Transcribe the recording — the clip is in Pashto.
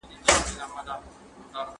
هلک غواړي چې له انا سره لوبې وکړي.